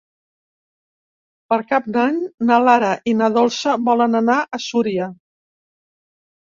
Per Cap d'Any na Lara i na Dolça volen anar a Súria.